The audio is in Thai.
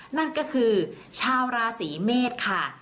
นั่นก็คือชาวราศีเมษค่ะ